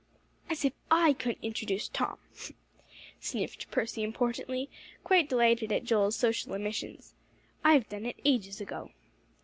"As if I couldn't introduce Tom!" sniffed Percy importantly, quite delighted at Joel's social omissions. "I've done it ages ago."